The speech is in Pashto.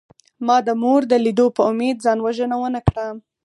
ما د مور د لیدو په امید ځان وژنه ونکړه